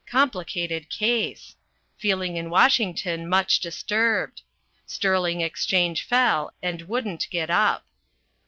Complicated case. Feeling in Washington much disturbed. Sterling exchange fell and wouldn't get up.